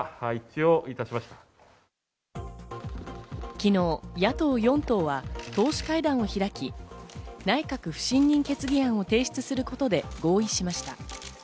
昨日、野党４党は党首会談を開き、内閣不信任決議案を提出することで合意しました。